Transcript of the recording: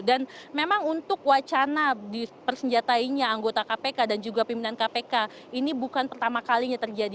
dan memang untuk wacana di persenjatainya anggota kpk dan juga pimpinan kpk ini bukan pertama kalinya terjadi